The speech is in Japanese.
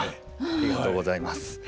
ありがとうございます。